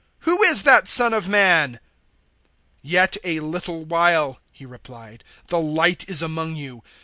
Who is that Son of Man?" 012:035 "Yet a little while," He replied, "the light is among you.